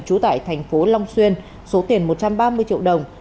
trú tại thành phố long xuyên số tiền một trăm ba mươi triệu đồng